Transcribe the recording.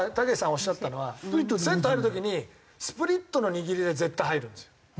おっしゃったのはセット入る時にスプリットの握りで絶対入るんですよ。